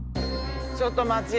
ちょっと待ち。